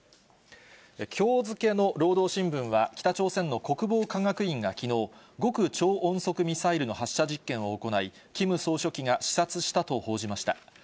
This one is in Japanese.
きょう付けの労働新聞は、北朝鮮の国防科学院がきのう、極超音速ミサイルの発射実験を行い、キム総書記が視察したと報じました。